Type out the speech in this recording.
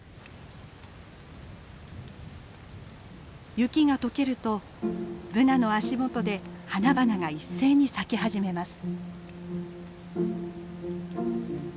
雪が解けるとブナの足元で花々が一斉に咲き始めます。